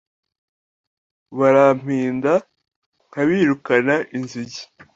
barampinda nk'abirukana inzige